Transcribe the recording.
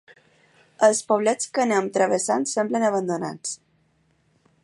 Els poblets que anem travessant semblen abandonats.